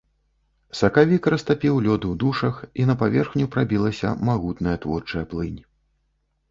Сакавік растапіў лёд у душах, і на паверхню прабілася магутная творчая плынь.